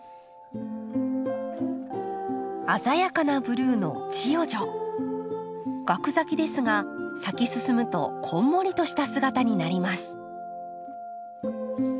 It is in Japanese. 鮮やかなブルーのガク咲きですが咲き進むとこんもりとした姿になります。